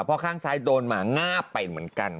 เพราะข้างซ้ายโดนหมางาบไปเหมือนกัน